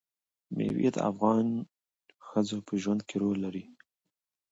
مېوې د افغان ښځو په ژوند کې رول لري.